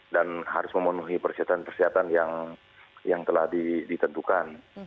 dan harus memenuhi persyaratan persyaratan yang telah ditentukan